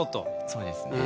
そうですね。